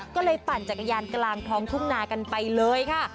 ก็เลยปั่นจักรยานกลางท้องทุ่งนากันไปเลยค่ะ